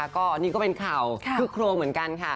ก็นี่ก็เป็นข่าวคึกโครมเหมือนกันค่ะ